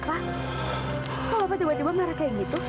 kenapa pak tiba tiba marah kayak gitu